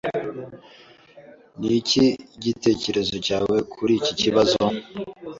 Niki gitekerezo cyawe kuri iki kibazo?